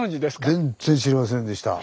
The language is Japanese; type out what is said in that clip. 全然知りませんでした。